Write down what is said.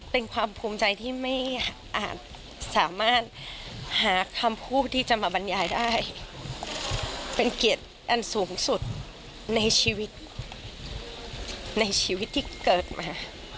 เป็นความภูมิใจที่ไม่อาจสามารถหาคำพูดที่จะมาบรรยายได้เป็นเกียรติอันสูงสุดในชีวิตในชีวิตที่เกิดมา